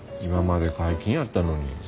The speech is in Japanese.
今まで皆勤やったのに。